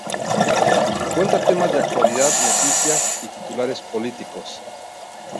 Cuenta temas de actualidad, noticias y titulares políticos.